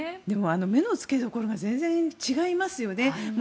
でも、目のつけどころが全然違いますよね。